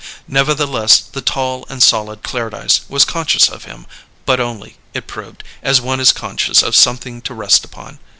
Nevertheless, the tall and solid Clairdyce was conscious of him, but only, it proved, as one is conscious of something to rest upon.